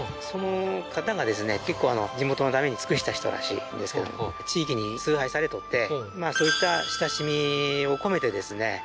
その方がですね結構地元のために尽くした人らしいんですけど地域に崇拝されとってそういった親しみを込めてですね